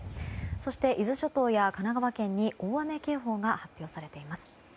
そして伊豆諸島や神奈川県に大雨警報が発表されています。